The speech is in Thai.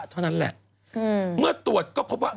เท่านั้นแหละเมื่อตรวจก็พบว่า